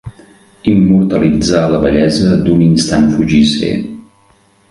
Immortalitzar la bellesa d'un instant fugisser.